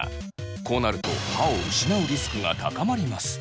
こうなると歯を失うリスクが高まります。